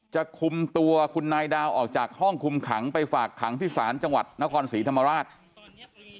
จะคุมตัวคุณนายดาวออกจากห้องคุมขังไปฝากขังที่ศาลจังหวัดนครศรีธรรมราช